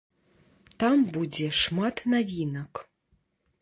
Там будзе шмат навінак.